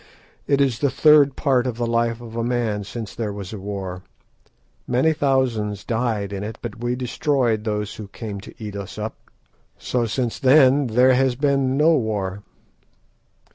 It is the third part of the life of a man since there was a war. Many thousands died in it, but we destroyed those who came to eat us up. So since then there has been no war."